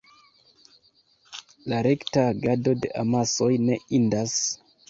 La rekta agado de amasoj ne indas.